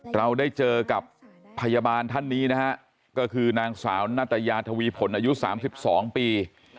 เราได้เจอกับพยาบาลท่านนี้นะฮะก็คือนางสาวนัตยาทวีผลอายุ๓๒ปี